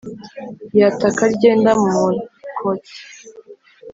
yata karyenda mu mukoki.